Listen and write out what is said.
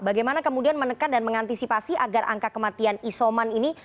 bagaimana kemudian menekan dan mengantisipasi agar angka kematian isoman ini